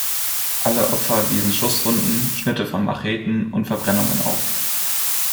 Alle Opfer wiesen Schusswunden, Schnitte von Macheten und Verbrennungen auf.